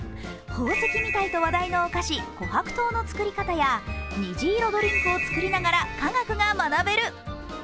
宝石みたいと話題のお菓子こはくとうの作り方やにじ色ドリンクを作りながら科学が学べる。